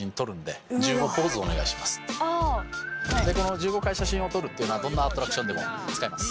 １５回写真を撮るのはどんなアトラクションでも使えます。